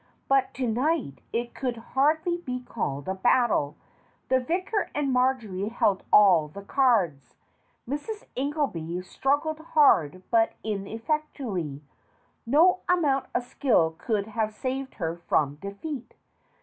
But to night it could hardly be called a battle. The vicar and Marjory held all the cards. Mrs. Ingelby struggled hard but ineffectually; no amount of skill could have saved her from defeat.